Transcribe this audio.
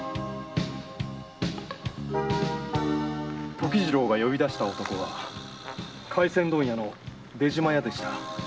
時次郎が呼び出した男は廻船問屋の「出島屋」でした。